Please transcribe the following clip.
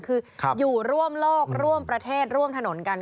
คืออยู่ร่วมโลกร่วมประเทศร่วมถนนกัน